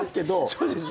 そうなんですね。